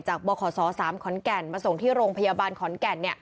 บขศ๓ขอนแก่นมาส่งที่โรงพยาบาลขอนแก่น